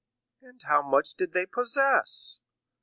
"And how much did they possess?"